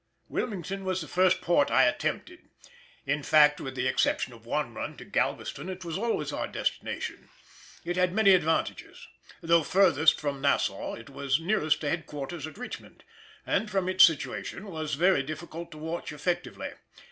Wilmington was the first port I attempted; in fact with the exception of one run to Galveston it was always our destination. It had many advantages. Though furthest from Nassau it was nearest to headquarters at Richmond, and from its situation was very difficult to watch effectively.